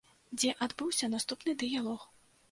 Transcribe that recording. Дзе адбыўся наступны дыялог.